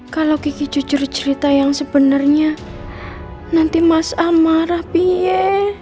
kalau kiki jujur cerita yang sebenarnya nanti mas am marah biye